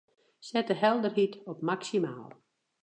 Set de helderheid op maksimaal.